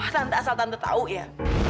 tante asal tante tahu ya